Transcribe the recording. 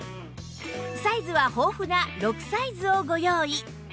サイズは豊富な６サイズをご用意